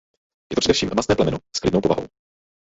Je to především masné plemeno s klidnou povahou.